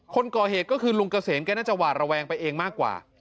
คนก่อเหตุก็คือลุงเกษมแกน่าจะหวาดระแวงไปเองมากกว่า